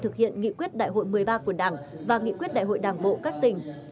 thực hiện nghị quyết đại hội một mươi ba của đảng và nghị quyết đại hội đảng bộ các tỉnh